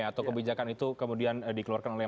atau kebijakan itu kemudian dikeluarkan oleh